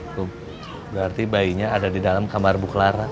itu berarti bayinya ada di dalam kamar bu clara